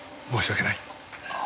申し訳ない。